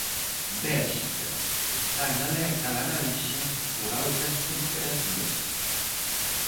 Bélxica está en alerta laranxa por altas temperaturas.